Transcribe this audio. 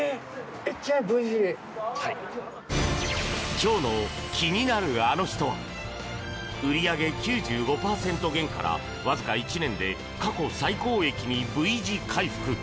今日の気になるアノ人は売り上げ９５％減からわずか１年で過去最高益にＶ字回復！